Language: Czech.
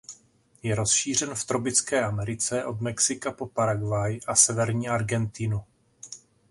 Je rozšířen v tropické Americe od Mexika po Paraguay a severní Argentinu.